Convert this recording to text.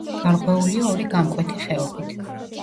გარღვეულია ორი გამკვეთი ხეობით.